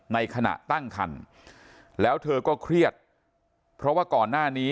ในขณะตั้งคันแล้วเธอก็เครียดเพราะว่าก่อนหน้านี้